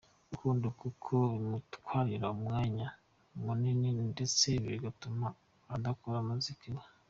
rukundo kuko bimutwarira umwanya munini ndetse bigatuma adakora umuziki we.